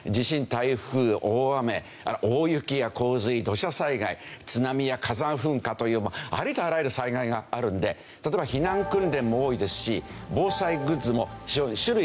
台風大雨大雪や洪水土砂災害津波や火山噴火というありとあらゆる災害があるんで例えば避難訓練も多いですし防災グッズも非常に種類が豊富ですよね。